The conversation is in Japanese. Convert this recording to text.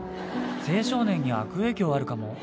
青少年に悪影響あるかも。